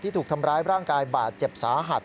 ถูกทำร้ายร่างกายบาดเจ็บสาหัส